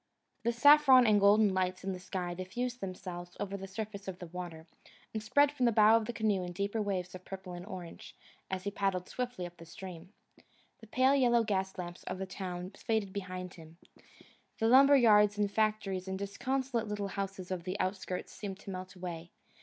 The saffron and golden lights in the sky diffused themselves over the surface of the water, and spread from the bow of the canoe in deeper waves of purple and orange, as he paddled swiftly up stream. The pale yellow gas lamps of the town faded behind him. The lumber yards and factories and disconsolate little houses of the outskirts seemed to melt away.